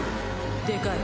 でかい。